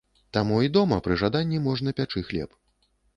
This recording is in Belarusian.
Таму і дома пры жаданні можна пячы хлеб.